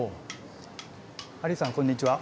ハリーさんこんにちは。